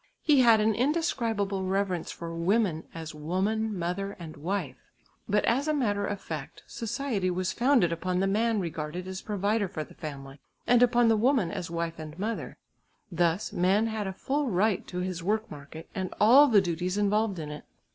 He had an indescribable reverence for women as woman, mother and wife, but as a matter of fact, society was founded upon the man regarded as provider for the family, and upon the woman as wife and mother; thus man had a full right to his work market and all the duties involved in it.